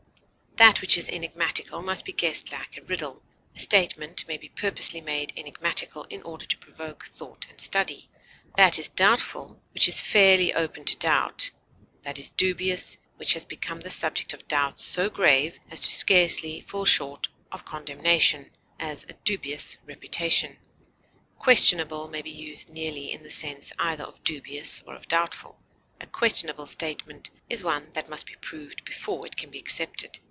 That which is enigmatical must be guessed like a riddle; a statement may be purposely made enigmatical in order to provoke thought and study. That is doubtful which is fairly open to doubt; that is dubious which has become the subject of doubts so grave as scarcely to fall short of condemnation; as, a dubious reputation. Questionable may be used nearly in the sense either of dubious or of doubtful; a questionable statement is one that must be proved before it can be accepted.